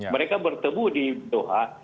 mereka bertemu di doha